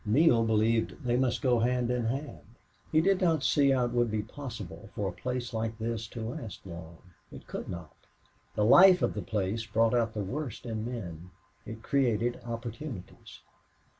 Neale believed they must go hand in hand. He did not see how it would be possible for a place like this to last long. It could not. The life of the place brought out the worst in men. It created opportunities.